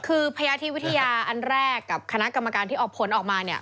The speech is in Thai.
คือพยาธิวิทยาอันแรกกับคณะกรรมการที่ออกผลออกมาเนี่ย